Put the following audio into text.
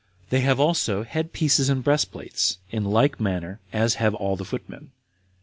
They have also head pieces and breastplates, in like manner as have all the footmen.